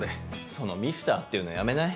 そのミスターっていうのやめない？